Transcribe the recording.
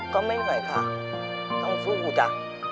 ก็ไม่เหนื่อยค่ะต้องฟูจ๊ะ